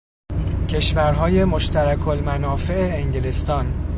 کشورهای مشترک المنافع انگلستان